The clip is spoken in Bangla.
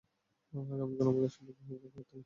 আগামীকাল আমাদের শুধু অপেক্ষা করতে হবে!